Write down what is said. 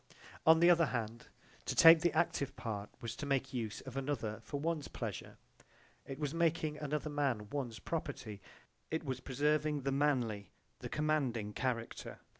J.B.) On the other hand, to take the active part was to make use of another for one's pleasure, it was making another man one's property, it was preserving the manly, the commanding character.